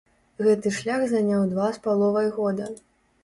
Гэты шлях заняў два з паловай года.